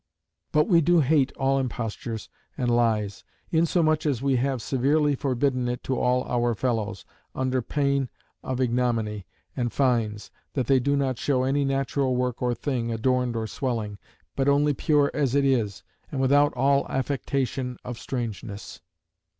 But we do hate all impostures, and lies; insomuch as we have severely forbidden it to all our fellows, under pain of ignominy and fines, that they do not show any natural work or thing, adorned or swelling; but only pure as it is, and without all affectation of strangeness.